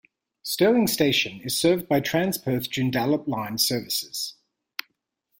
Stirling station is served by Transperth Joondalup line services.